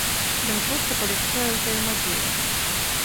Ён проста палягчае ўзаемадзеянне.